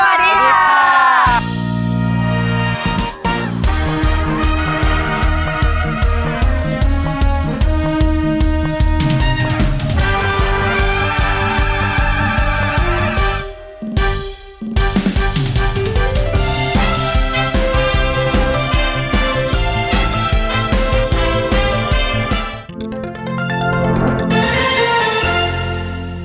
โปรดติดตามตอนต่อไป